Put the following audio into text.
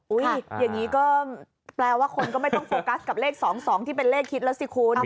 อย่างนี้ก็แปลว่าคนก็ไม่ต้องโฟกัสกับเลข๒๒ที่เป็นเลขคิดแล้วสิคุณ